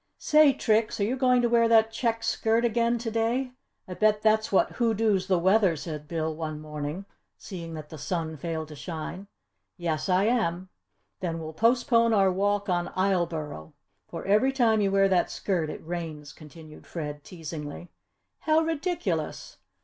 "Say, Trix, are you going to wear that checked skirt again to day? I bet that's what hoodoos the weather!" said Bill, one morning, seeing that the sun failed to shine. "Yes, I am!" "Then, we'll postpone our walk on Isleboro, for every time you wear that skirt it rains," continued Fred, teasingly. "How ridiculous!"